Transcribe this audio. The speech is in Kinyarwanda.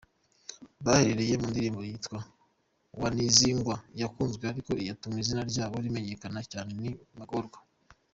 Bahereye ku ndirimbo yitwa “Wanizingua” yakunzwe ariko iyatumye izina ryabo rimenyekana cyane ni “Magorwa”.